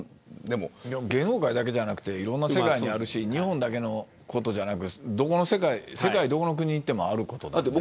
芸能界だけじゃなくていろんな世界にあるし日本だけのことじゃなく世界のどこの国に行ってもあることだと思うので。